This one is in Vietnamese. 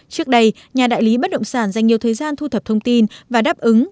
trước đây nhà đại lý bất động sản dành nhiều thời gian thu thập thông tin và đáp ứng